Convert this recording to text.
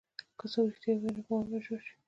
که څوک رښتیا ووایي، نو باور به جوړ شي.